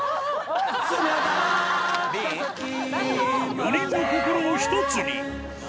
４人の心を一つに。